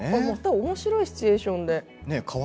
おもしろいシチュエーションで。